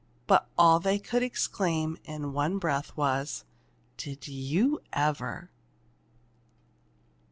But all they could exclaim in one breath was: "Did you ever!"